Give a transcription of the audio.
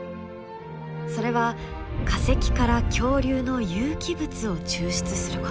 それは化石から恐竜の有機物を抽出すること。